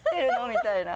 みたいな。